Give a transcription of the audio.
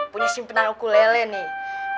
punya simpenan ukulele nih